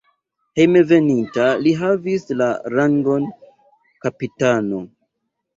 Hejmenveninta li havis la rangon kapitano.